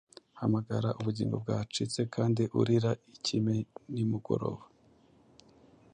Hamagara Ubugingo bwacitse kandi urira ikime nimugoroba